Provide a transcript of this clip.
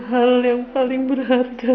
hal yang paling berharga